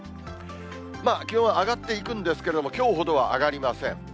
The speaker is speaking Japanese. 気温は上がっていくんですけれども、きょうほどは上がりません。